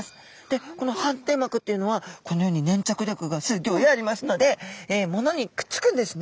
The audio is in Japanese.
でこの反転膜っていうのはこのようにねんちゃく力がすっギョいありますのでものにくっつくんですね。